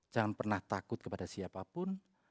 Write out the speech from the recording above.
jangan pernah takut kepada siapapun